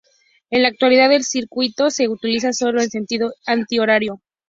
En la actualidad, el circuito se utiliza solo en sentido anti horario.